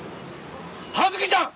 葉月ちゃん